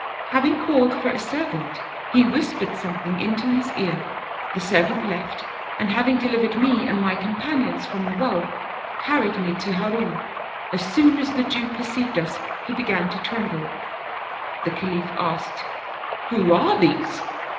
" Having called for a servant he whispered something into his ear ; the servant left, and having delivered me and my companions from the well, carried me to Harun. As soon as the Jew perceived us he began to tremble; the Khalif asked: 'Who are these?'